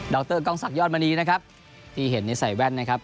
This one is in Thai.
ดอกเตอร์กล้องสักยอดมานี้นะครับที่เห็นในใส่แว่นนะครับ